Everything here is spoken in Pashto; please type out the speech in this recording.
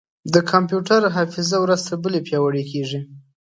د کمپیوټر حافظه ورځ تر بلې پیاوړې کېږي.